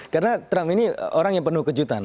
karena trump ini orang yang penuh kejutan